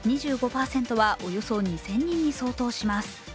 ２５％はおよそ２０００人に相当します。